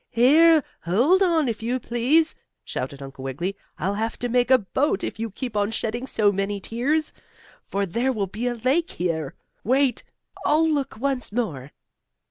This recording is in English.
"Here! Hold on, if you please!" shouted Uncle Wiggily. "I'll have to make a boat, if you keep on shedding so many tears, for there will be a lake here. Wait, I'll look once more."